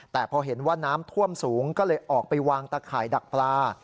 แต่พอเห็นว่าน้ำท่วมสูงก็เลยออกไปวางตะข่ายดักปลา